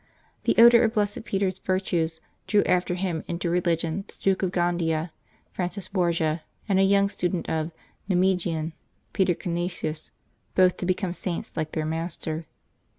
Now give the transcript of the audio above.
The odor of Blessed Peter's virtues drew after him into religion the Duke of Gandia, Francis Borgia, and a young student of Nimeguen, Peter Canisius, both to be come Saints like their master.